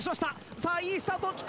さあいいスタートを切った。